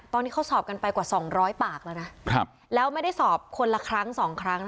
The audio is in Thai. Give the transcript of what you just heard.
ตอนนี้เขาสอบกันไปกว่า๒๐๐ปากแล้วนะแล้วไม่ได้สอบคนละครั้งสองครั้ง